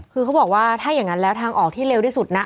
คือเขาบอกว่าถ้าอย่างนั้นแล้วทางออกที่เร็วที่สุดนะ